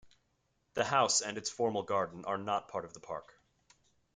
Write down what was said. The house and its formal garden are not part of the park.